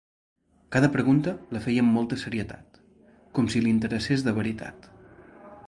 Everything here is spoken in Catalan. Cada pregunta la feia amb molta serietat, com si li interessés de veritat.